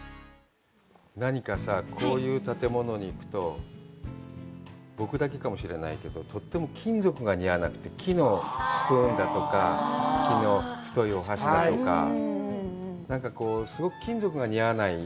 何かさ、こういう建物に行くと、僕だけかもしれないけど、とっても金属が似合わなくて、木のスプーンだとか、木の太いお箸だとか、なんかすごく金属が似合わない。